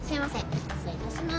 失礼いたします。